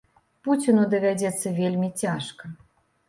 Пуціну давядзецца вельмі цяжка.